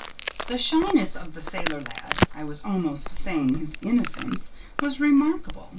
The shyness of the sailor lad I was almost saying his innocence was remarkable.